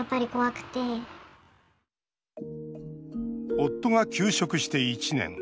夫が休職して１年。